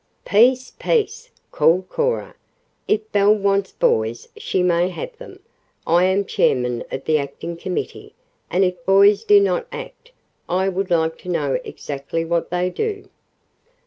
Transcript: "Peace! peace!" called Cora. "If Belle wants boys she may have them. I am chairman of the acting committee, and if boys do not act I would like to know exactly what they do."